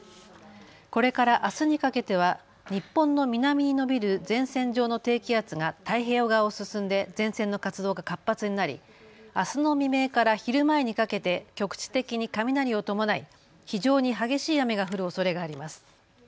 これからあすにかけては日本の南に延びる前線上の低気圧が太平洋側を進んで前線の活動が活発になり、あすの未明から昼前にかけて局地的に雷を伴い非常に激しい雨が降るおそれがあります。